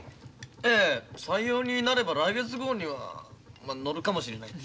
ええ採用になれば来月号には載るかもしれない。